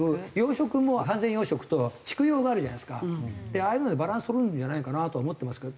ああいうのでバランス取れるんじゃないかなとは思ってますけど。